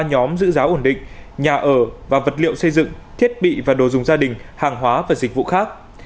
ba nhóm giữ giá ổn định nhà ở và vật liệu xây dựng thiết bị và đồ dùng gia đình hàng hóa và dịch vụ khác